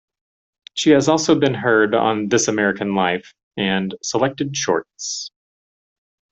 She has also been heard on "This American Life" and "Selected Shorts".